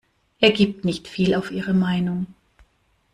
Er gibt nicht viel auf ihre Meinung.